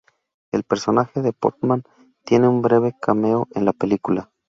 El personaje de Portman tiene un breve cameo en la película.